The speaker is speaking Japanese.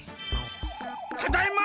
ただいま！